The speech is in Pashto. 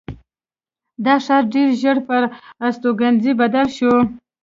دا ښار ډېر ژر پر استوګنځي بدل شو.